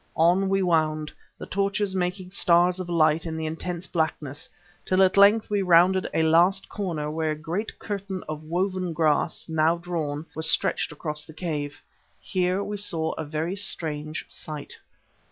On we wound, the torches making stars of light in the intense blackness, till at length we rounded a last corner where a great curtain of woven grass, now drawn, was stretched across the cave. Here we saw a very strange sight.